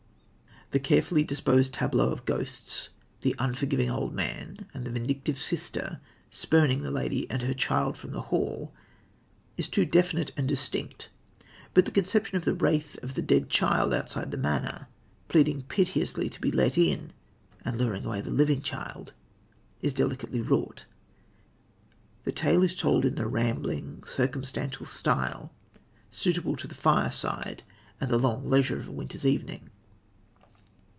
The carefully disposed tableau of ghosts the unforgiving old man, and the vindictive sister, spurning the lady and her child from the hall is too definite and distinct, but the conception of the wraith of the dead child outside the manor, pleading piteously to be let in, and luring away the living child, is delicately wrought. The tale is told in the rambling, circumstantial style, suitable to the fireside and the long leisure of a winter's evening.